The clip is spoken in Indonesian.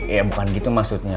eh bukan gitu maksudnya